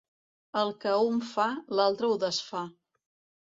El que un fa, l'altre ho desfà.